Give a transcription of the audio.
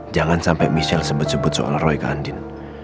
jangan sampai michelle sebut sebut soal roy ke andin